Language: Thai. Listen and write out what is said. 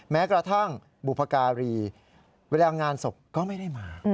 แม้กระทั่งบุพการีเวลางานศพก็ไม่ได้มา